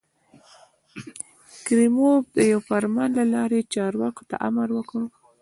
کریموف د یوه فرمان له لارې چارواکو ته امر وکړ.